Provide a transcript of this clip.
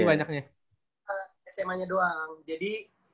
sma nya doang jadi